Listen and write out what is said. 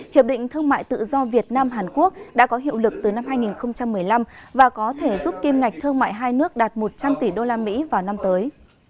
hiệp định thương mại tự do việt nam hàn quốc đã có hiệu lực từ năm hai nghìn một mươi năm và có thể giúp kim ngạch thương mại hai nước đạt một trăm linh tỷ usd vào năm tới